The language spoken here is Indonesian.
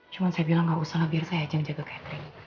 cuma saya bilang gak usah lah biar saya ajang jaga catering